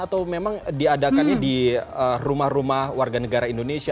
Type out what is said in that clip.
atau memang diadakannya di rumah rumah warga negara indonesia